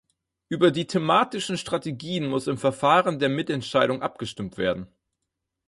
Über die thematischen Strategien muss im Verfahren der Mitentscheidung abgestimmt werden.